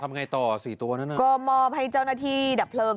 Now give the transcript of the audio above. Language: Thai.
ทำงายต่อ๔ตัวเนี่ยนะก็มอบให้เจ้านาธีดับเพลิง